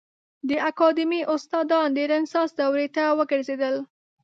د اکاډمي استادان د رنسانس دورې ته وګرځېدل.